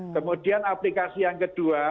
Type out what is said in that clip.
kemudian aplikasi yang kedua